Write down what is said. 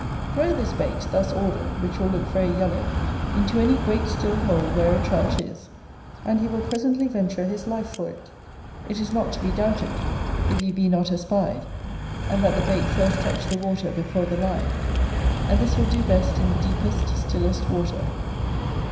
Throw this bait, thus ordered, which will look very yellow, into any great still hole where a Trout is, and he will presently venture his life for it, it is not to be doubted, if you be not espied; and that the bait first touch the water before the line. And this will do best in the deepest stillest water.